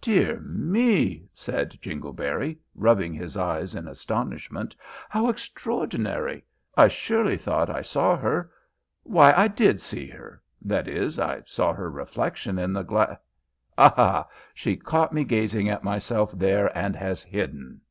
"Dear me!" said Jingleberry, rubbing his eyes in astonishment. "How extraordinary! I surely thought I saw her why, I did see her that is, I saw her reflection in the gla Ha! ha! She caught me gazing at myself there and has hidden."